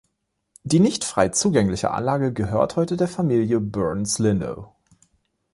Die nicht frei zugängliche Anlage gehört heute der Familie Burns-Lindow.